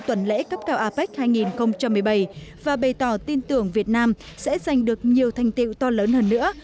tuần lễ cấp cao apec hai nghìn một mươi bảy và bày tỏ tin tưởng việt nam sẽ giành được nhiều thành tiệu to lớn hơn nữa